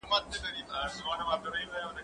زه به اوبه پاکې کړې وي؟